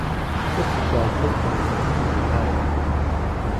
گەپ و گاڵتە و زەماوەند و هەرایە